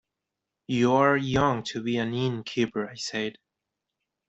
“You’re young to be an innkeeper,” I said.